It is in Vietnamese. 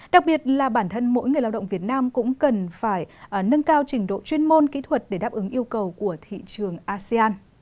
đặc biệt là bản thân mỗi người lao động việt nam cũng cần phải nâng cao trình độ chuyên môn kỹ thuật để đáp ứng yêu cầu của thị trường asean